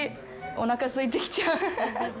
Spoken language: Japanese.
おなかすいてきちゃう。